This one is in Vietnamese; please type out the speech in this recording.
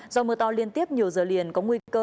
do mưa to liên tiếp nhiều giờ liền có nguy cơ